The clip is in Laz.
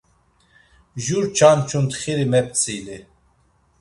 Jur çançu ntxiri mep̌tzili.